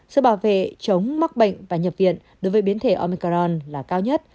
sự bảo vệ chống mắc bệnh và nhập viện đối với biến thể omicron là cao nhất